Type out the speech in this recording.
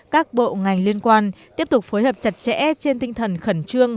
các bộ ngành liên quan tiếp tục phối hợp chặt chẽ trên tinh thần khẩn trương